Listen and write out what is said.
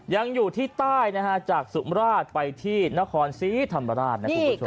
ยังอยู่ที่ใต้จากสุมราชไปที่นครซีธรรมราชนะครับ